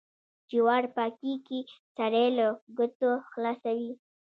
جوار پاکي کې سړی له گوتو خلاصوي.